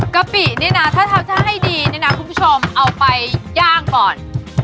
กะปินี่นะถ้าให้ดีเนี่ยนะคุณผู้ชมเอาไปย่างก่อน